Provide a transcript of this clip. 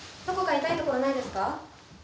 どこか痛いところないですか？